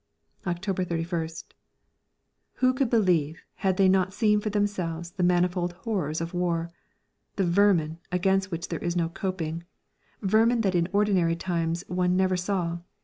October 31st. Who could believe, had they not seen for themselves, the manifold horrors of war? The vermin, against which there is no coping, vermin that in ordinary times one never saw.